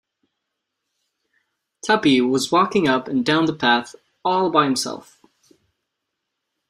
Tuppy was walking up and down the path, all by himself.